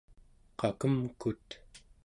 qakemkut